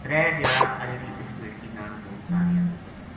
ترے دھیاڑا اَجڑی اس بیٹکی نا ڈُھونڈتا رہیا